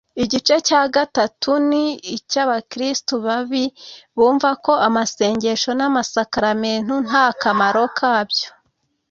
igice cya gatatu ni icy'abakristu babi bumva ko amasengesho n'amasakaramentu nta kamaro kabyo